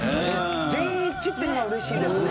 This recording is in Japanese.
全員一致っていうのが嬉しいですね。